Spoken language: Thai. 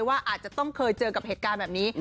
ค่าจะต้องรู้เหมือนเกินแบบนี้